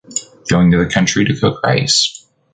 Going to the country to cook rice.